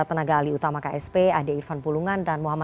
berkali kali mengatakan bahwa